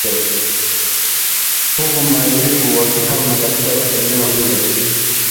huku maelfu wakihama katika eneo hilo